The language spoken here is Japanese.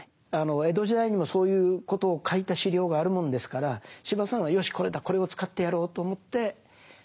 江戸時代にもそういうことを書いた資料があるもんですから司馬さんはよしこれだこれを使ってやろうと思ってお書きになった。